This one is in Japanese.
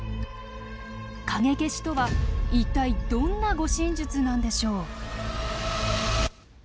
影消しとは一体どんな護身術なんでしょう。